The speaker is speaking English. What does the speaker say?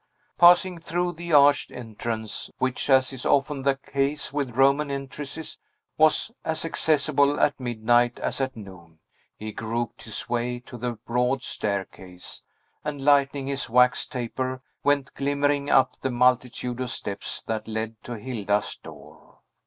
Passing through the arched entrance, which, as is often the case with Roman entrances, was as accessible at midnight as at noon, he groped his way to the broad staircase, and, lighting his wax taper, went glimmering up the multitude of steps that led to Hilda's door.